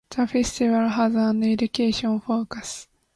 The Festival has an education focus.